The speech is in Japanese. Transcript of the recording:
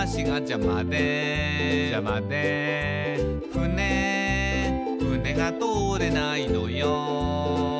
「ふねふねが通れないのよ」